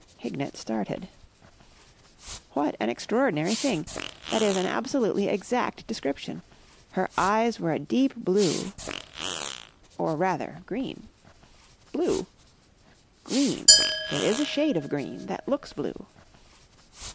Hignett started. "What an extraordinary thing! That is an absolutely exact description. Her eyes were a deep blue...." "Or, rather, green." "Blue." "Green. There is a shade of green that looks blue."